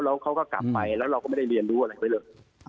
แล้วเขาก็กลับไปแล้วเราก็ไม่ได้เรียนรู้อะไรไว้เลย